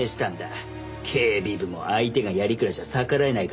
警備部も相手が鑓鞍じゃ逆らえないからな。